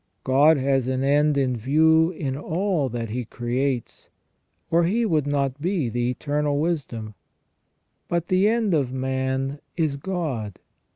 God has an end in view in all that He creates, or He would not be the Eternal Wisdom. But the end of man is God.